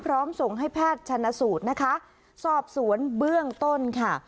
ส่งให้แพทย์ชนสูตรนะคะสอบสวนเบื้องต้นค่ะ